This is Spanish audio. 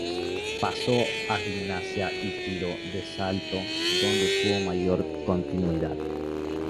Pasó a Gimnasia y Tiro de Salta donde tuvo mayor continuidad.